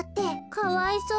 かわいそう。